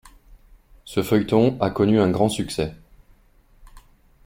Ce feuilleton a connu un grand succès.